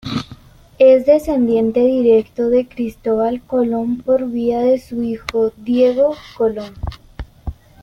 Es descendiente directo de Cristóbal Colón por vía de su hijo, Diego Colón.